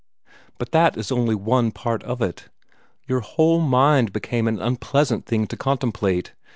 But that is only one part of it. Your whole mind became an unpleasant thing to contemplate.